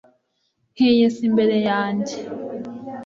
nkiyesa imbere yanjye